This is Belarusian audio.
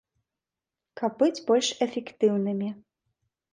Каб быць больш эфектыўнымі.